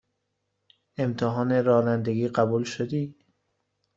امتحان رانندگی قبول شدی؟